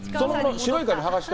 白い紙はがして。